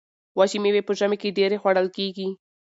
وچې میوې په ژمي کې ډیرې خوړل کیږي.